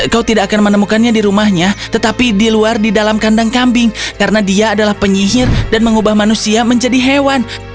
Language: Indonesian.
kau tidak akan menemukannya di rumahnya tetapi di luar di dalam kandang kambing karena dia adalah penyihir dan mengubah manusia menjadi hewan